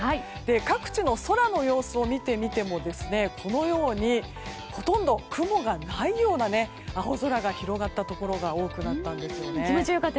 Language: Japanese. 各地の空の様子を見てみてもほとんど雲がないような青空が広がったところが多くなったんですね。